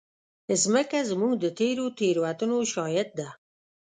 مځکه زموږ د تېرو تېروتنو شاهد ده.